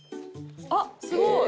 あっすごい！